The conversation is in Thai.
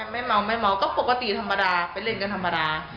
ไม่ไม่มองก็ปกติธรรมดาไปเล่นก็ธรรมดา